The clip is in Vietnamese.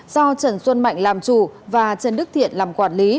do trần xuân mạnh làm chủ và trần đức thiện làm quản lý